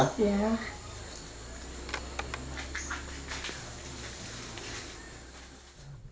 kita untuk mencari penjaja